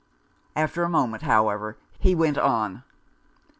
After a moment, however, he went on.